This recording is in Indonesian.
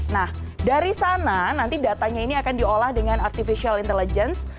nah dari sana nanti datanya ini akan diolah dengan artificial intelligence